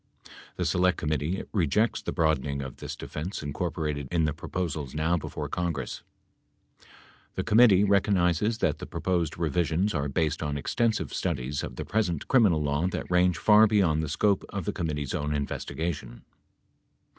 The Select Committee rejects the broadening of this defense incor porated in the proposals now before the Congress. The committee rec ognizes that the proposed revisions are based on extensive studies of the present criminal law that range far beyond the scope of the com mittee's own investigation.